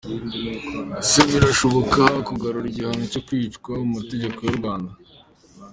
Ese birashoboka kugarura igihano cyo kwicwa mu mategeko y’u rwanda?.